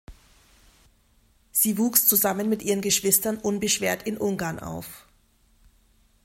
Sie wuchs zusammen mit ihren Geschwistern unbeschwert in Ungarn auf.